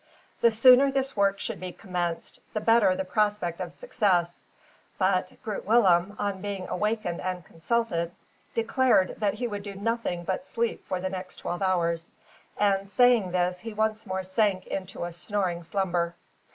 The sooner this work should be commenced, the better the prospect of success; but Groot Willem, on being awakened and consulted, declared that he would do nothing but sleep for the next twelve hours; and, saying this, he once more sank into a snoring slumber.